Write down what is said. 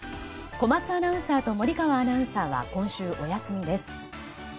小松アナウンサーと森川アナウンサーは今週お休みです。